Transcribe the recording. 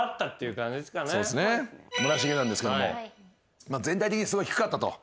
村重なんですけども全体的にすごい低かったと。